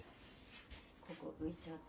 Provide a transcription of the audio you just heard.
ここ浮いちゃうと。